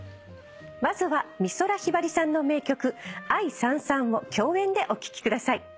まずは美空ひばりさんの名曲『愛燦燦』を共演でお聴きください。